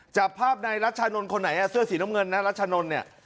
จับภาพในรัชชานนท์คนไหนเสื้อสีน้ำเงินนะรัชนนท์เนี่ย